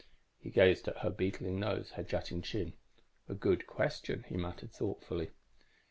"_ _He gazed at her beetling nose, her jutting chin. "A good question," he muttered thoughtfully.